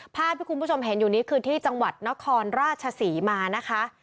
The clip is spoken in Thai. ภาพที่คุณผู้ชมเห็นอยู่นี้คือที่จังหวัดนครราชศรีมานะคะ